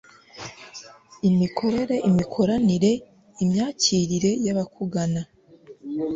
imikorere, imikoranire, imyakirire y'abakugana